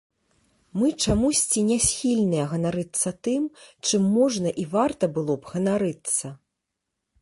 Мы чамусьці не схільныя ганарыцца тым, чым можна і варта было б ганарыцца.